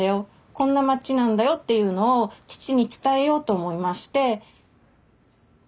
こんな街なんだよっていうのを父に伝えようと思いまして。